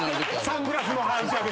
サングラスの反射で。